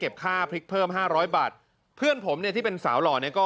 แต่ว่าไม่ได้ไปหาเรื่องใครก่อ